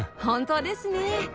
本当ですね